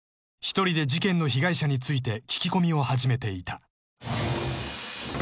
［１人で事件の被害者について聞き込みを始めていた］